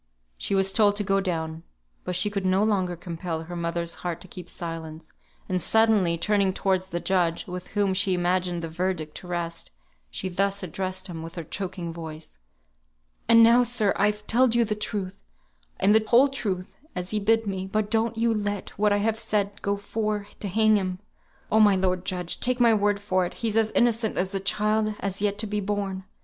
She was told to go down. But she could no longer compel her mother's heart to keep silence, and suddenly turning towards the judge (with whom she imagined the verdict to rest), she thus addressed him with her choking voice. "And now, sir, I've telled you the truth, and the whole truth, as he bid me; but don't ye let what I have said go for to hang him; oh, my lord judge, take my word for it, he's as innocent as the child as has yet to be born.